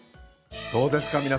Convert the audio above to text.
どうですか？